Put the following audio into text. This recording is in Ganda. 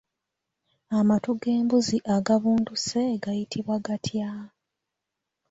Amatu g'embuzi agabunduse gayitibwa gatya?